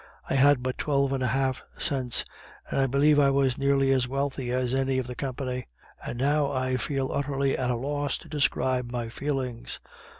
I had but twelve and a half cents, and I believe I was nearly as wealthy as any of the company. And now I feel utterly at a loss to describe my feelings.